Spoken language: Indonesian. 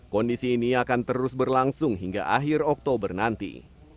kondisi ini akan terus berlangsung hingga akhir oktober nanti